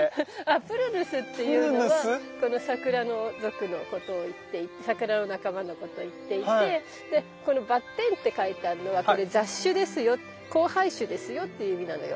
「Ｐｒｕｎｕｓ」っていうのはこのサクラ属のことを言っていてサクラの仲間のことを言っていてでこのバッテンって書いてあるのはこれ雑種ですよ交配種ですよっていう意味なのよ。